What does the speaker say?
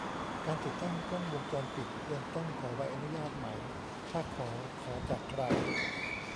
การติดตั้งกล้องวงจรปิด ควรต้องขอใบอนุญาตไหม ถ้าขอ ขอจากใคร